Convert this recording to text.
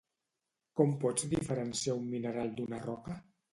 Com pots diferenciar un mineral d'una roca?